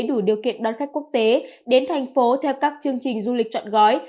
đủ điều kiện đón khách quốc tế đến thành phố theo các chương trình du lịch trọn gói